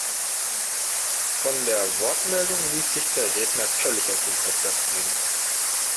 Von der Wortmeldung ließ sich der Redner völlig aus dem Konzept bringen.